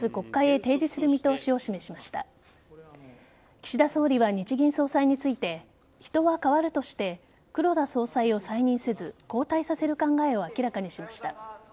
岸田総理は日銀総裁について人は代わるとして黒田総裁を再任せず交代させる考えを明らかにしました。